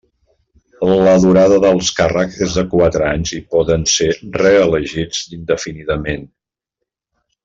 La durada dels càrrecs és de quatre anys i poden ser reelegits indefinidament.